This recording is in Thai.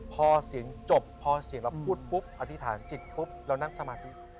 พอเสียงจบพอเสียงเราพูดปุ๊บอธิษฐานจิตปุ๊บเรานั่งสมาธิ